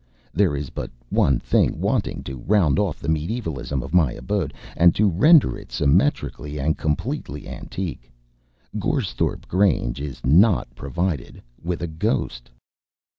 There is but one thing wanting to round off the mediævalism of my abode, and to render it symmetrically and completely antique. Goresthorpe Grange is not provided with a ghost.